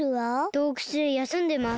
どうくつでやすんでます。